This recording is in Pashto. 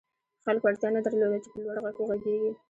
خلکو اړتیا نه درلوده چې په لوړ غږ وغږېږي